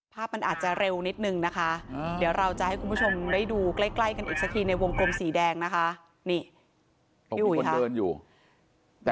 ภาพมันอาจจะเร็วนิดนึงนะคะเดี๋ยวเราจะให้คุณผู้ชมได้ดูใกล้กันอีกสักทีในวงกลมสีแดงนะคะ